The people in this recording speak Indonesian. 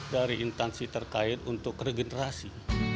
dari intansi terkait untuk regenerasi